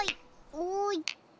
おい！